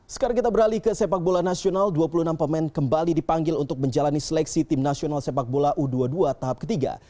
sekarang kita beralih ke sepak bola nasional dua puluh enam pemain kembali dipanggil untuk menjalani seleksi tim nasional sepak bola u dua puluh dua tahap ketiga